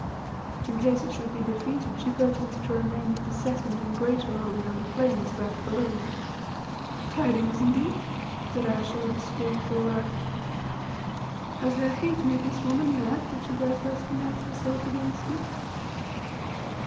In case it should be defeated she purposes to remain with the second and greater army on the plains about Kaloon." "Tidings indeed," said Ayesha with a scornful laugh. "Has her hate made this woman mad that she dares thus to match herself against me?